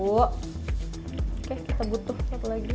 oke kita butuh satu lagi